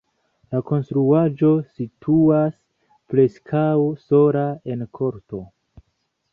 La konstruaĵo situas preskaŭ sola en korto.